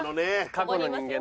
過去の人間。